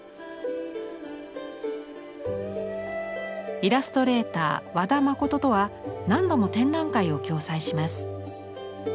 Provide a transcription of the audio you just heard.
イラストレーター和田誠とは何度も展覧会を共催します。